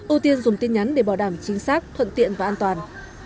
ưu tiên dùng tin nhắn để bảo đảm chính xác thuận tiện và an toàn